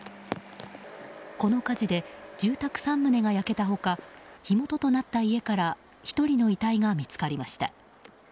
この火事で住宅３棟が焼けた他火元となった家から１人の遺体が見つかりました。